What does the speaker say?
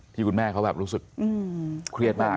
คุณแม่เขาแบบรู้สึกเครียดมาก